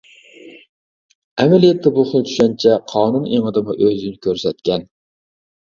ئەمەلىيەتتە بۇ خىل چۈشەنچە قانۇن ئېڭىدىمۇ ئۆزىنى كۆرسەتكەن.